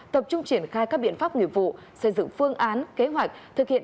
tập trung triển khai các biện pháp nguyện vụ xây dựng phương án kế hoạch